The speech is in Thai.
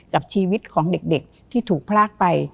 กับชีวิตของเด็กที่ถูกพลากไป